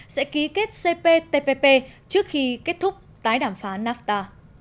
sẽ ký kết cptpp trước khi kết thúc tái đàm phán nafta